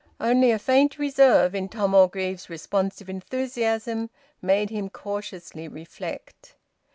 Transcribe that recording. Only a faint reserve in Tom Orgreave's responsive enthusiasm made him cautiously reflect.